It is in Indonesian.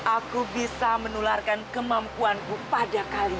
aku bisa menularkan kemampuanku pada kalian